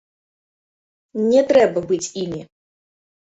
Не трэба быць імі!